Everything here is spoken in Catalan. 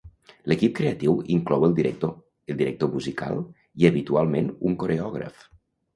L'equip creatiu inclou el director, el director musical i habitualment un coreògraf.